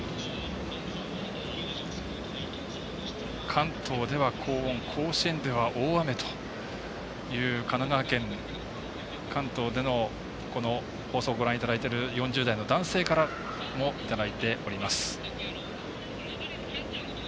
関東では高温甲子園では大雨という神奈川県、関東での放送をご覧いただいている４０代の男性からいただいております。